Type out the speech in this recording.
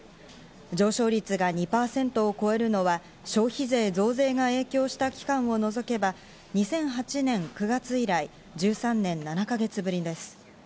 上昇率が２％を超えるのは消費税増税が影響した期間を除けば２００８年９月以来１３年７か月ぶりです。